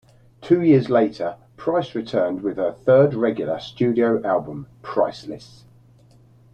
Two years later, Price returned with her third regular studio album, "Priceless".